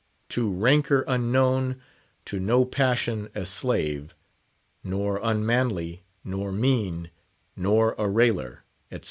To rancour unknown, to no passion a slave, Nor unmanly, nor mean, nor a railer," etc.